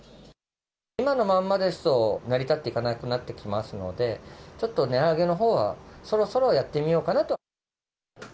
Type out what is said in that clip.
今のまんまですと、成り立っていかなくなってきますので、ちょっと値上げのほうは、そろそろやってみようかなとは。